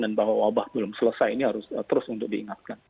dan bahwa wabah belum selesai ini harus terus untuk diingatkan